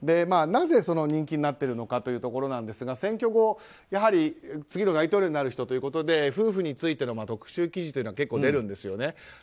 なぜ人気になっているかというところなんですが選挙後、やはり次の大統領になる人ということで夫婦についての特集記事が結構出るんですよね。